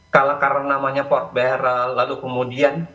karena namanya war barrel lalu kemudian